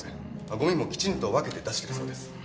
ゴミもきちんと分けて出してるそうです。